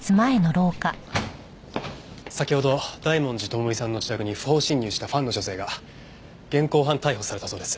先ほど大文字智美さんの自宅に不法侵入したファンの女性が現行犯逮捕されたそうです。